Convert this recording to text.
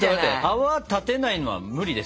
泡立てないのは無理です！